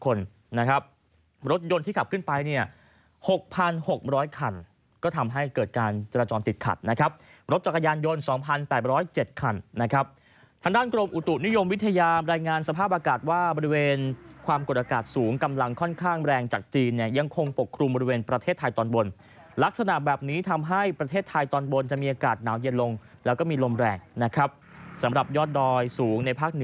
๕๐คนนะครับรถยนต์ที่ขับขึ้นไปเนี่ย๖๖๐๐คันก็ทำให้เกิดการจราจรติดขัดนะครับรถจักรยานยนต์๒๘๐๗คันนะครับทางด้านกรมอุตุนิยมวิทยาลายงานสภาพอากาศว่าบริเวณความกดอากาศสูงกำลังค่อนข้างแรงจากจีนเนี่ยยังคงปกครุมบริเวณประเทศไทยตอนบนลักษณะแบบนี้ทำให้ประเทศไทยตอนบนจะมีอาก